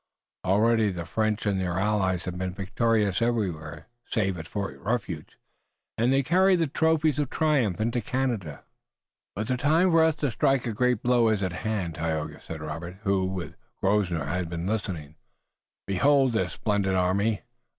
Already the French and their allies have been victorious everywhere save at Fort Refuge, and they carry the trophies of triumph into Canada." "But the time for us to strike a great blow is at hand, Tayoga," said Robert, who, with Grosvenor had been listening. "Behold this splendid army!